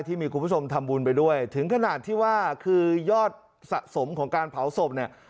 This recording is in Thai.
คุณผู้ชมทำบุญไปด้วยถึงขนาดที่ว่าคือยอดสะสมของการเผาศพเนี่ย